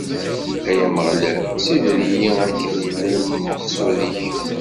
Ay Ameɣlal, ssider-iyi akken yella lmeqsud-ik.